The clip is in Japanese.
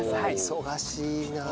忙しいなあ。